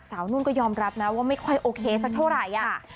นุ่นก็ยอมรับนะว่าไม่ค่อยโอเคสักเท่าไหร่